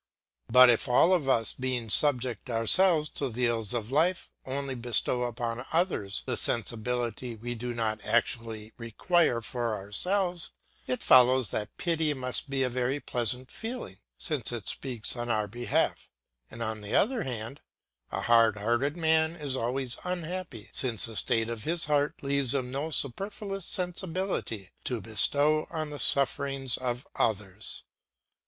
But if all of us, being subject ourselves to the ills of life, only bestow upon others the sensibility we do not actually require for ourselves, it follows that pity must be a very pleasant feeling, since it speaks on our behalf; and, on the other hand, a hard hearted man is always unhappy, since the state of his heart leaves him no superfluous sensibility to bestow on the sufferings of others.